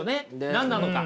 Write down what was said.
何なのか。